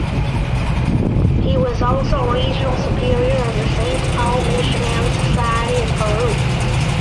He was also regional superior of the St Paul Missionary Society in Peru.